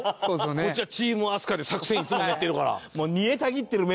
こっちはチーム飛鳥で作戦いっつも練ってるから。